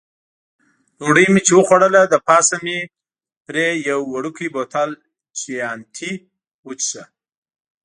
ډوډۍ مې چې وخوړله، له پاسه مې پرې یو وړوکی بوتل چیانتي وڅېښه.